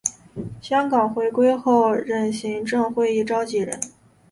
香港回归后任行政会议召集人。